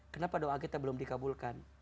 kenapa doa kita belum dikabulkan